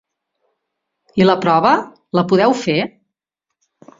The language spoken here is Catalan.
I la prova, la podeu fer?